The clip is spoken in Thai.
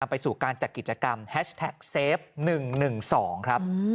ไปสู่การจัดกิจกรรมแฮชแท็กเซฟ๑๑๒ครับ